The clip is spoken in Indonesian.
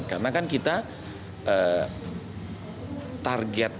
karena kan kita target